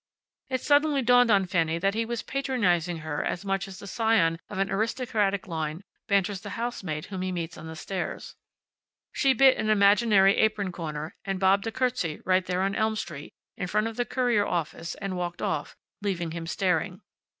It suddenly dawned on Fanny that he was patronizing her much as the scion of an aristocratic line banters the housemaid whom he meets on the stairs. She bit an imaginary apron corner, and bobbed a curtsy right there on Elm Street, in front of the Courier office and walked off, leaving him staring.